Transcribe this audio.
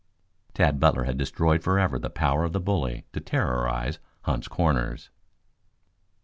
Tad Butler had destroyed forever the power of the bully to terrorize Hunt's Corners.